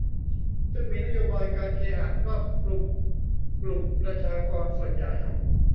ซึ่งมีนโยบายการเคหะครอบคลุมกลุ่มประชากรส่วนใหญ่